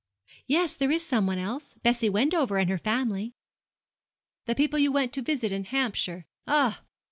'Yes, there is some one else. Bessie Wendover and her family.' 'The people you went to visit in Hampshire. Ah!